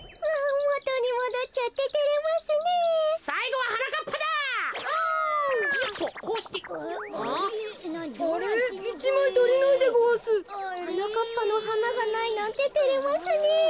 はなかっぱのはながないなんててれますねえ。